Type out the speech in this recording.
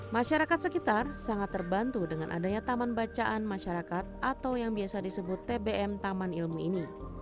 masyarakat sekitar sangat terbantu dengan adanya taman bacaan masyarakat atau yang biasa disebut tbm taman ilmu ini